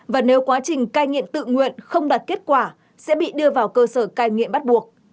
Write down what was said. và nếu quá trình cai nghiện tự nguyện không đạt kết quả sẽ bị đưa vào cơ sở cai nghiện bắt buộc